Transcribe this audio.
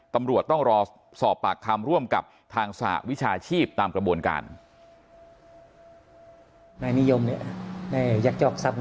ตำรวจต้องรอสอบปากคำร่วมกับทางสหวิชาชีพตามกระบวนการ